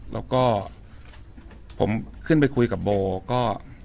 แล้วก็ผมขึ้นไปคุยกับโบก็